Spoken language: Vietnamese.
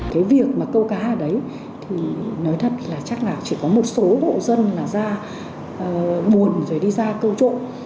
cái việc mà câu cá ở đấy thì nói thật là chắc là chỉ có một số hộ dân là ra buồn rồi đi ra câu trộn